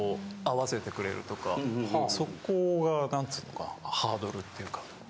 そこがなんつうのかハードルっていうか。